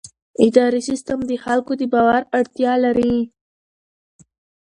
اداري سیستم د خلکو د باور اړتیا لري.